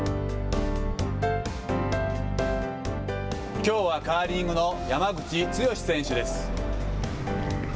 きょうはカーリングの山口剛史選手です。